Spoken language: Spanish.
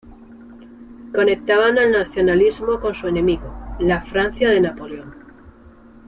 Conectaban al nacionalismo con su enemigo: la Francia de Napoleón.